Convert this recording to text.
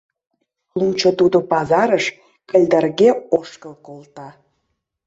Лучо тудо пазарыш кыльдырге ошкыл колта.